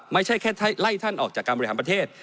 ไม่ใช่แค่ไล่ท่านออกจากการบริหารประเทศ